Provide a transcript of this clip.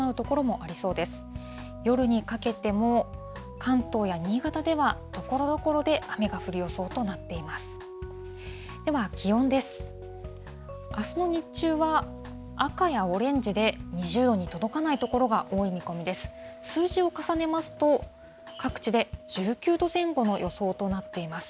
あすの日中は、赤やオレンジで、２０度に届かない所が多い見込みです。